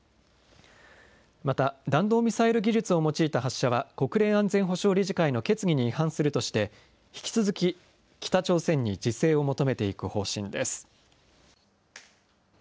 また、弾道ミサイル技術を用いた発射は国連安全保障理事会の決議に違反するとして、引き続き北朝鮮に自制を求めていく方針です。